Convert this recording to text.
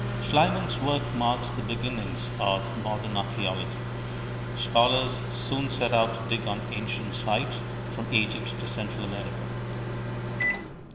Schliemann's work marks the beginnings of modern archeology. Scholars soon set out to dig on ancient sites, from Egypt to Central America.